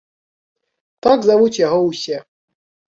Так завуць яго ўсе.